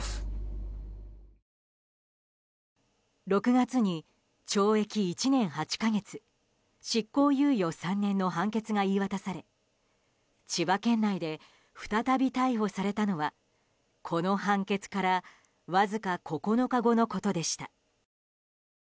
６月に懲役１年８か月執行猶予３年の判決が言い渡され千葉県内で再び逮捕されたのはこの判決からわずか９日後のことでした。